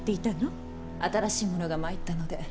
新しい者が参ったので。